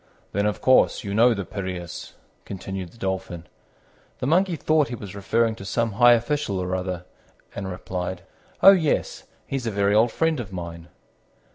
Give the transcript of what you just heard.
"Then, of course, you know the Piræus," continued the Dolphin. The Monkey thought he was referring to some high official or other, and replied, "Oh, yes, he's a very old friend of mine."